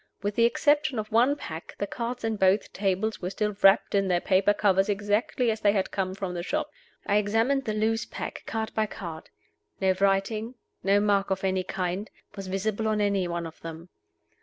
With the exception of one pack, the cards in both tables were still wrapped in their paper covers exactly as they had come from the shop. I examined the loose pack, card by card. No writing, no mark of any kind, was visible on any one of them.